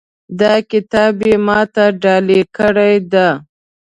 دا کتاب یې ما ته ډالۍ کړی ده